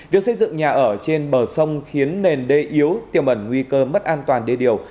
việc xây dựng nhà ở trên bờ sông khiến nền đê yếu tiềm ẩn nguy cơ mất an toàn đê điều